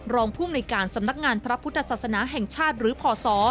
ภูมิในการสำนักงานพระพุทธศาสนาแห่งชาติหรือพศ